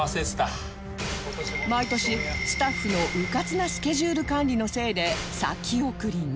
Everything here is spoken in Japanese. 毎年スタッフのうかつなスケジュール管理のせいで先送りに